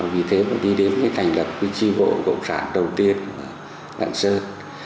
vì thế mà đi đến cái thành lập quy trì bộ cộng sản đầu tiên ở lạng sơn